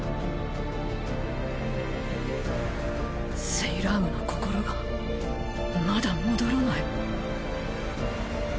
セイラームの心がまだ戻らない。